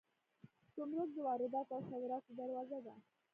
ګمرک د وارداتو او صادراتو دروازه ده